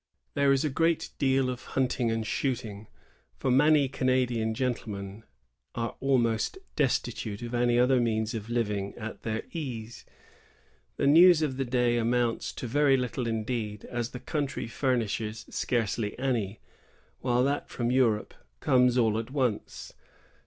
There is a great deal of hunting and shooting, for many Canadian gentlemen are almost destitute of any other means of living at their ease. The news of the day amounts to very little indeed, as the country furnishes scarcely any, while that from Europe comes all at once.